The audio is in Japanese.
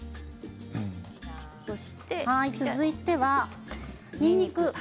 続いては、にんにくです。